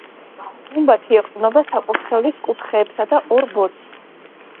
გუმბათი ეყრდნობა საკურთხევლის კუთხეებსა და ორ ბოძს.